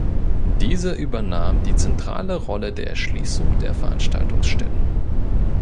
Dieser übernahm die zentrale Rolle der Erschließung der Veranstaltungsstätten.